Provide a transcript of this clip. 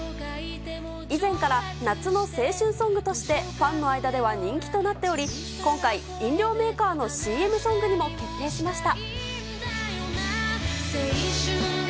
以前から夏の青春ソングとして、ファンの間では人気となっており、今回、飲料メーカーのＣＭソングにも決定しました。